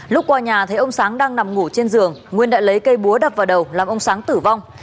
lúc qua nhà thấy ông sáng đang nằm ngủ trên giường nguyên đã lấy cây búa đập vào đầu làm ông sáng tử vong